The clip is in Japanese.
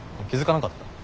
気付かなかった？